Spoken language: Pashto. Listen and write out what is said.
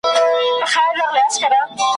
هېری څرنگه د مینی ورځی شپې سي ,